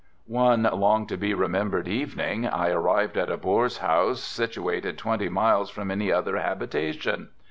One long to be remembered evening I arrived at a Boer's house situated twenty miles from any other habitation.